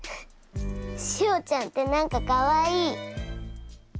しおちゃんって何かかわいい！